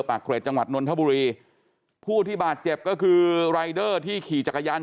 เกรดจังหวัดนนทบุรีผู้ที่บาดเจ็บก็คือรายเดอร์ที่ขี่จักรยาน